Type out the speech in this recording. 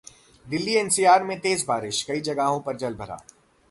दिल्ली-एनसीआर में तेज बारिश, कई जगहों पर जलभराव